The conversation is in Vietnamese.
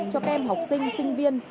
cho các em học sinh sinh viên